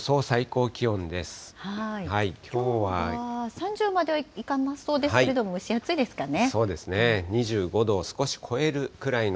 ３０まではいかなそうですけれども、蒸し暑いですかね。